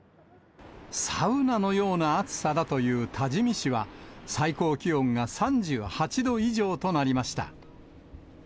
サウナのような暑さだという多治見市は、最高気温が３８度以上となりました。